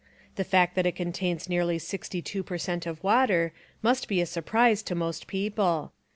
The fact that it contains nearly sixty two per cent of water must be a surprise to most people.